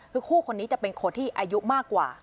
คือคู่คนนี้จะเป็นคนที่อายุมากกว่า